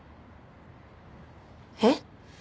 えっ？